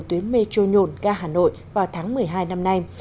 tuyến mê trôi nhồn ga hà nội vào tháng một mươi hai năm nay